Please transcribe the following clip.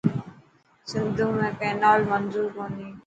سنڌو ۾ ڪينال منضور ڪوني.